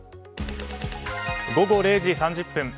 午後０時３０分。